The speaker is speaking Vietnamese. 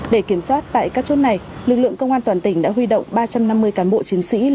để kiểm soát tại các chốt này lực lượng công an toàn tỉnh đã huy động ba trăm năm mươi cán bộ chiến sĩ